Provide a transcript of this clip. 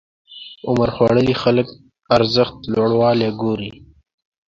عمرخوړلي خلک ارزښت لوړوالی ګوري.